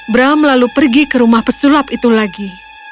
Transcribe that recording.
bram lalu pergi ke rumah pesulap itu lagi